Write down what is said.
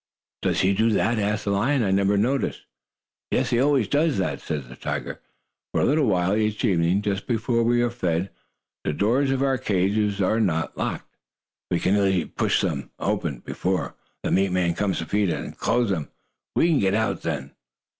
"Does he do that?" asked the lion. "I never noticed." "Yes, he always does that," said the tiger. "For a little while each evening, just before we are fed, the doors of our cages are not locked. We can easily push them open, before the meat man comes to feed us and closes them. We can get out then."